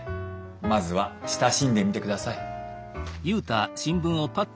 まずは親しんでみてください。